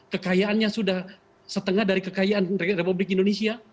kekayaannya sudah setengah dari kekayaan republik indonesia